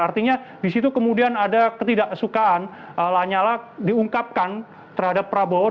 artinya di situ kemudian ada ketidaksukaan lanyala diungkapkan terhadap prabowo